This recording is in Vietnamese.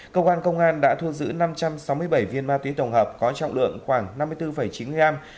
cơ quan công an đã thu giữ năm trăm sáu mươi bảy viên ma túy tổng hợp có trọng lượng khoảng năm mươi bốn chín gram